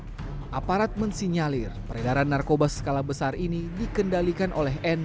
empara ada aproanya persatuan rahmat nancy nyalir per rindaran narkoba skala besar ini dikendalikan oleh n